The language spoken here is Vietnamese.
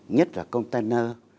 nhất là container